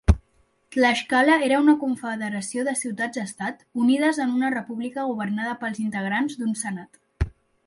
Tlaxcala era una confederació de ciutats-estat unides en una república governada pels integrants d'un senat.